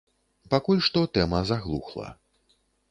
Пакуль што тэма заглухла.